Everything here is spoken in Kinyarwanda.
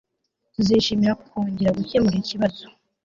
Tuzishimira kongera gukemura ikibazo